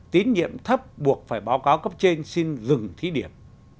tín nhiệm thấp buộc phải báo cáo cấp trên xin dừng thí điểm